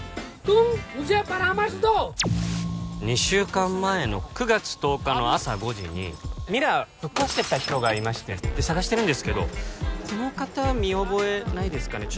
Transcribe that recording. ２週間前の９月１０日の朝５時にミラーぶっ壊してった人がいましてで捜してるんですけどこの方見覚えないですかね？